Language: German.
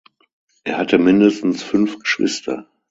Er hatte mindestens fünf Geschwister.